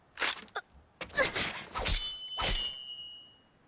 あっ！